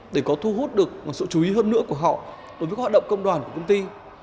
để có thu hút được sự chú ý hơn nữa của họ đối với các hoạt động công đoàn của công ty